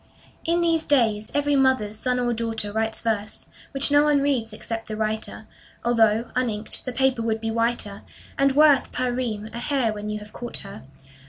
. IN these days, every mother's son or daughter Writes verse, which no one reads except the writer, Although, uninked, the paper would be whiter, And worth, per ream, a hare, when you have caught her.